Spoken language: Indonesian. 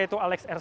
yaitu jorge martin